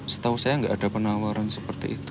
setahu saya nggak ada penawaran seperti itu